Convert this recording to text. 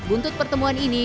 untuk pertemuan ini